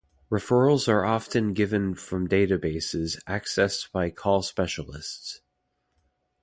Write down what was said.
Referrals are often given from databases accessed by call specialists.